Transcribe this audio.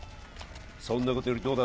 そんなことよりどうだ